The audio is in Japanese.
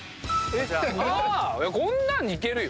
こんなんいけるよ。